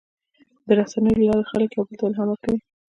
د رسنیو له لارې خلک یو بل ته الهام ورکوي.